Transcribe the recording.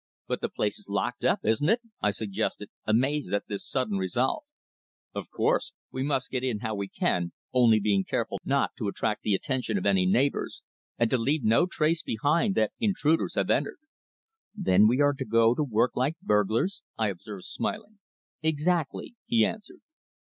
"But the place is locked up, isn't it?" I suggested, amazed at this sudden resolve. "Of course. We must get in how we can, only being careful not to attract the attention of any neighbours, and to leave no trace behind that intruders have entered." "Then we are to go to work like burglars?" I observed, smiling. "Exactly," he answered.